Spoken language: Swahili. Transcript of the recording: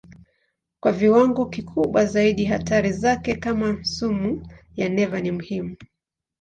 Kwa viwango kikubwa zaidi hatari zake kama sumu ya neva ni muhimu.